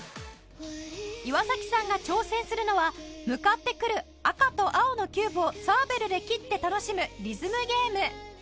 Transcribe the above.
岩さんが挑戦するのは向かってくる赤と青のキューブをサーベルで切って楽しむリズムゲーム